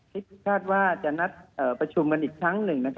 คาดว่าจะนัดประชุมกันอีกครั้งหนึ่ง